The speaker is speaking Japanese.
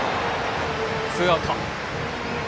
ツーアウト。